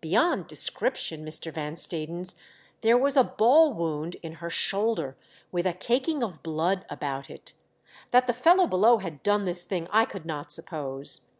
Beyond description, Mr. Van Stadens. There was a ball wound in her shoulder, with a caking of blood about it. That the fellow below had done this thing I could not suppose.